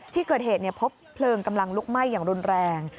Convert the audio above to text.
ที่เกิดเหตุพบเพลิงกำลังลุกไหม้อย่างรุนแรง